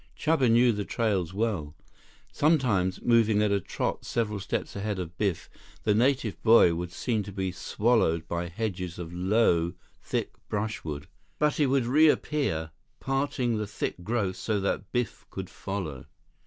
Chuba knew the trails well. Sometimes, moving at a trot several steps ahead of Biff, the native boy would seem to be swallowed by hedges of low, thick brushwood. But he would reappear, parting the thick growth so that Biff could follow.